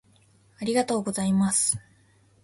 ありがとうございます